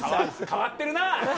変わってるな。